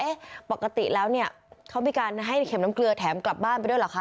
ปกติแล้วเนี่ยเขามีการให้เข็มน้ำเกลือแถมกลับบ้านไปด้วยเหรอคะ